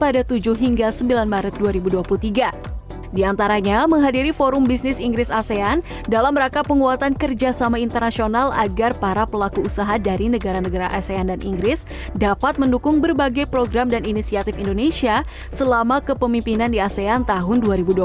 dalam meraka penguatan kerjasama internasional agar para pelaku usaha dari negara negara asean dan inggris dapat mendukung berbagai program dan inisiatif indonesia selama kepemimpinan di asean tahun dua ribu dua puluh tiga